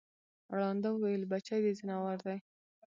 ړانده وویل بچی د ځناور دی